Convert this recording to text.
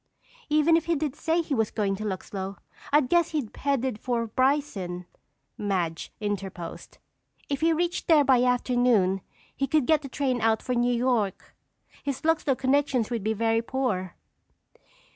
"Even if he did say he was going to Luxlow, I'd guess he headed for Bryson," Madge interposed. "If he reached there by afternoon he could get a train out for New York. His Luxlow connections would be very poor."